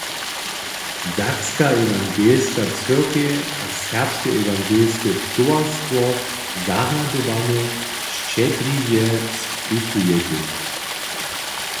Sakska ewangelska cyrkej a Serbske ewangelske towarstwo zarjadowanje šćedriwje spěchujetej.